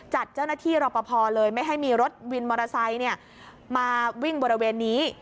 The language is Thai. จัดเจ้าหน้าที่รอปภเลยไม่ให้มีรถวินมอเตอร์ไซค์มาวิ่งบริเวณนี้